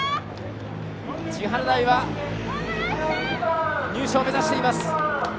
千原台は、入賞を目指しています。